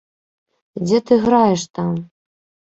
Дзе ты граеш там?